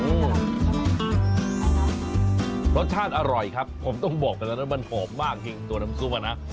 รสชาติอร่อยครับผมต้องบอกกันแล้วนะมันหอมมากจริงตัวน้ำซุปอ่ะนะ